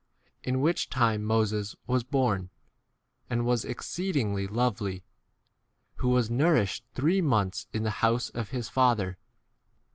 20 In which time Moses was born, and was exceedingly 2 lovely, who was nourished three months in the 21 house of his father.